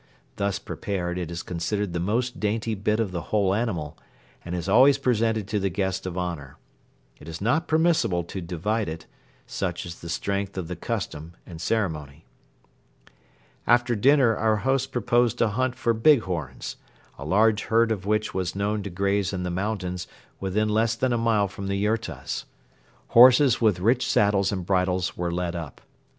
Thus prepared it is considered the most dainty bit of the whole animal and is always presented to the guest of honor. It is not permissible to divide it, such is the strength of the custom and ceremony. After dinner our host proposed a hunt for bighorns, a large herd of which was known to graze in the mountains within less than a mile from the yurtas. Horses with rich saddles and bridles were led up.